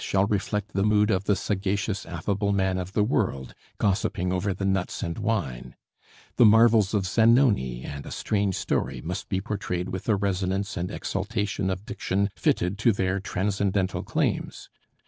shall reflect the mood of the sagacious, affable man of the world, gossiping over the nuts and wine; the marvels of 'Zanoni' and 'A Strange Story' must be portrayed with a resonance and exaltation of diction fitted to their transcendental claims.